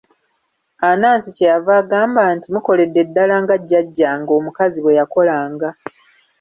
Anansi kye yava agamba nti, mukoledde ddala nga jjajjaange omukazi bwe yakolanga.